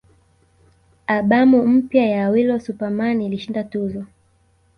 Albamu mpya ya Awilo Super Man ilishinda tuzo